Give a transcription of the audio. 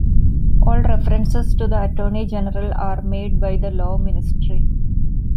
All references to the Attorney General are made by the Law Ministry.